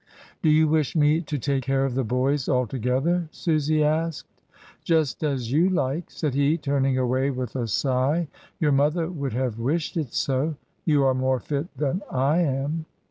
"Do you wish me to take care of the boys alto gether?" Susy asked. "Just as you like," said he, turning away with a sigh. "Your mother would have wished it so. You are more fit than I am."